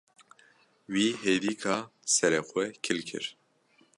Wî hêdîka serê xwe kil kir.